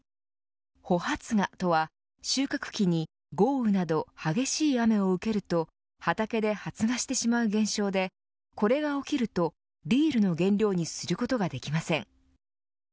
穂発芽とは収穫期に豪雨など激しい雨を受けると畑で発芽してしまう現象でこれが起きるとビールの原料にすることができません。